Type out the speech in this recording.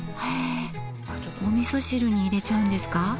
えおみそ汁に入れちゃうんですか？